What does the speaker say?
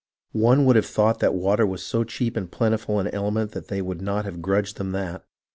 One would have thought that water was so cheap and plentiful an element that they would not have grudged them that.